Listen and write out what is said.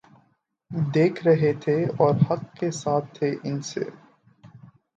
دیکھ رہے تھے اور حق کے ساتھ تھے ان سے